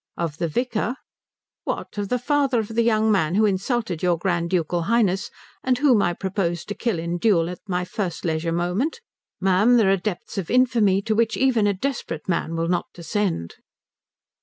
"Of the vicar? What, of the father of the young man who insulted your Grand Ducal Highness and whom I propose to kill in duel my first leisure moment? Ma'am, there are depths of infamy to which even a desperate man will not descend."